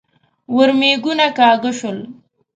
ورمېږونه کاږه شول.